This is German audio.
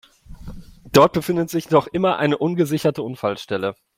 Dort befindet sich noch immer eine ungesicherte Unfallstelle.